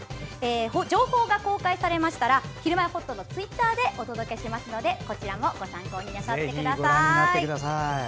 情報が公開されましたら「ひるまえほっと」のツイッターでお届けしますのでそちらもぜひ参考にしてください。